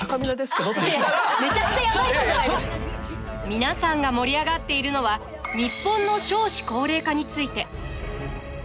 皆さんが盛り上がっているのは日本の少子高齢化について。